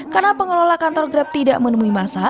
karena pengelola kantor grab tidak menemui masa